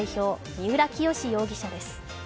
三浦清志容疑者です。